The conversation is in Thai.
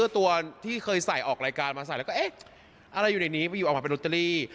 ตัวที่เคยใส่ออกรายการมาใส่แล้วก็เอ๊ะอะไรอยู่ในนี้ไปอยู่ออกมาเป็นโรตเตอรี่